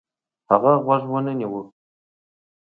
هغه غوږ ونه نیوه.